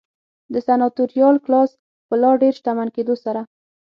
د سناتوریال کلاس په لا ډېر شتمن کېدو سره.